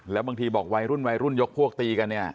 แล้วบางทีบอกวัยรุ่นวัยรุ่นยกพวกตีกันเนี่ย